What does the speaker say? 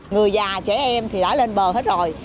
người già trẻ em thì đã lên bờ hết rồi